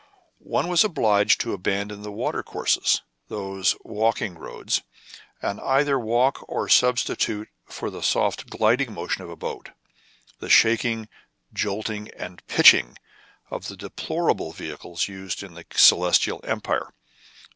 One was obliged to abandon the water courses, those " walk ing roads," and either walk or substitute for the soft, gliding motion of a boat, the shaking, jolting, and pitching of the deplorable vehicles used in the Celestial Empire.